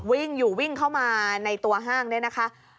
วิ่งอยู่วิ่งเข้ามาในตัวห้างเนี่ยนะคะ